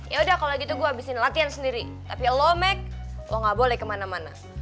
yaudah kalo gitu gue abisin latihan sendiri tapi lo meg lo ga boleh kemana mana